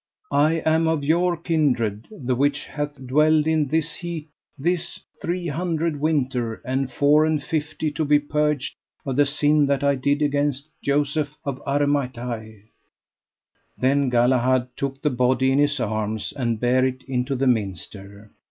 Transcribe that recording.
I am of your kindred, the which hath dwelled in this heat this three hundred winter and four and fifty to be purged of the sin that I did against Joseph of Aramathie. Then Galahad took the body in his arms and bare it into the minster.